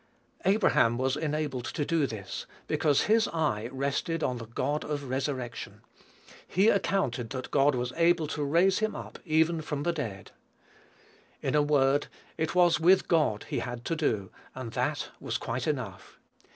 Abraham was enabled to do this, because his eye rested on the God of resurrection. "He accounted that God was able to raise him up even from the dead." In a word, it was with God he had to do, and that was quite enough.